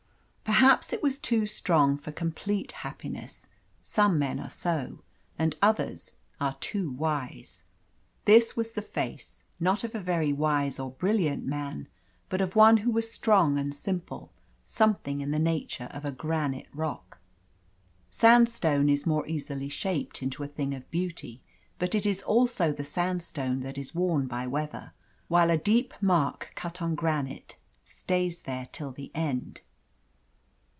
Perhaps it was too strong for complete happiness some men are so, and others are too wise. This was the face, not of a very wise or a brilliant man, but of one who was strong and simple something in the nature of a granite rock. Sandstone is more easily shaped into a thing of beauty, but it is also the sandstone that is worn by weather, while a deep mark cut on granite stays there till the end.